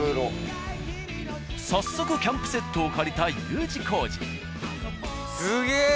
早速キャンプセットを借りたＵ字工事。